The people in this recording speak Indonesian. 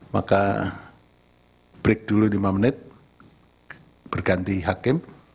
maka break dulu lima menit berganti hakim